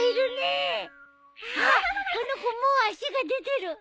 あっこの子もう足が出てる。